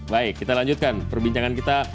baik kita lanjutkan perbincangan kita